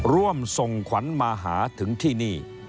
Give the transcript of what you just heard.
ร่วมส่งขวัญมาหาถึงที่นี่